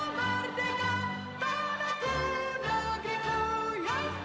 mari kita bersatu